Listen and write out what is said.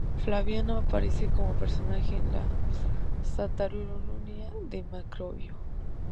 Flaviano aparece como personaje en las "Saturnalia" de Macrobio.